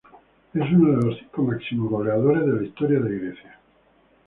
Es uno de los cinco máximos goleadores de la historia de Grecia.